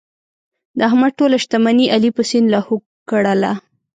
د احمد ټوله شتمني علي په سیند لاهو کړله.